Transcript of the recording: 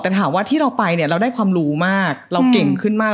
แต่ถามว่าที่เราไปเนี่ยเราได้ความรู้มากเราเก่งขึ้นมาก